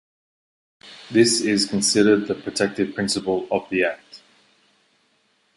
This is considered the protective principle of the act.